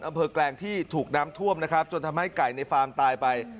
แกลงที่ถูกน้ำท่วมนะครับจนทำให้ไก่ในฟาร์มตายไป